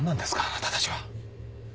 あなたたちは。